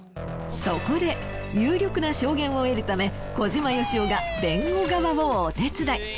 そこで有力な証言を得るため小島よしおが弁護側をお手伝い。